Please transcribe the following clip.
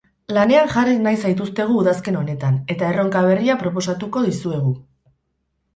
Lanean jarri nahi zaituztegu udazken honetan, eta erronka berria proposatuko dizuegu.